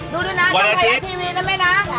ดูด้วยนะช่องไทยรัฐทีวีนะแม่นะ